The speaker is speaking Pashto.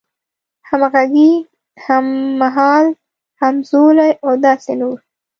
همغږی، هممهال، همزولی او داسې نور